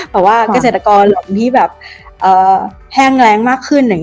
แบบว่าการเศรษฐกรหลังที่แพร่งแรงมากขึ้น